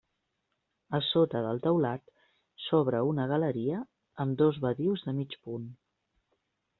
A sota del teulat s'obre una galeria amb dos badius de mig punt.